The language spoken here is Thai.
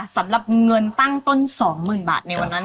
สำหรับเงินตั้งต้น๒๐๐๐บาทในวันนั้น